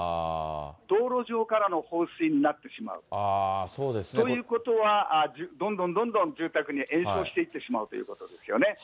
道路上からの放水になってしまうということは、どんどんどんどん住宅に延焼していってしまうということですよね。